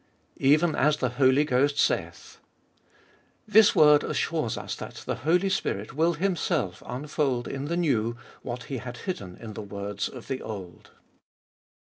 Even as the Holy Ghost saith. This word assures us that the Holy Spirit will Himself unfold in the New what He had hidden in the words of the Old.